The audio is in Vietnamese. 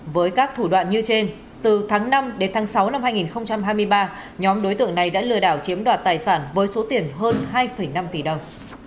với các thủ đoạn như trên từ tháng năm đến tháng sáu năm hai nghìn hai mươi ba nhóm đối tượng này đã lừa đảo chiếm đoạt tài sản với số tiền hơn hai năm tỷ đồng